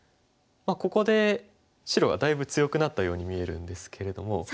ここで白がだいぶ強くなったように見えるんですけれども。